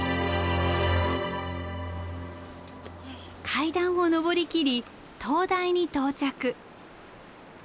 階段を上りきり灯台に到着。